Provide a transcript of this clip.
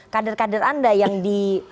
kader kader anda yang di